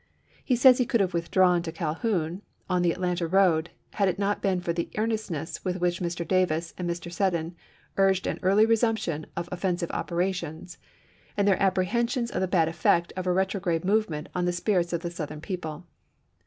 He says he could have withdrawn to Calhoun, on the Atlanta road, had it not been for the earnestness with which Mr. Davis and Mr. Seddon urged an early resumption of offensive operations, and their apprehensions of the bad effect of a retrograde movement on the spirits of the Southern people.